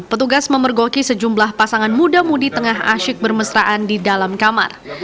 petugas memergoki sejumlah pasangan muda mudi tengah asyik bermesraan di dalam kamar